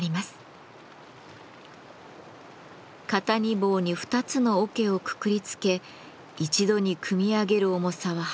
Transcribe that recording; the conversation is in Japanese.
肩荷棒に２つの桶をくくりつけ一度にくみ上げる重さは８０キロ。